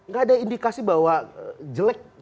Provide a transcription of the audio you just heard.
gak ada indikasi bahwa jelek